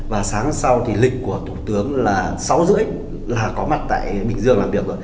và sáng sau thì lịch của thủ tướng là sáu h ba mươi là có mặt tại bình dương làm việc